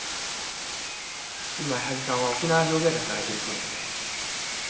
今矢作さんは沖縄料理屋で働いてるそうですね。